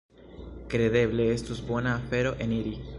Kredeble estus bona afero eniri.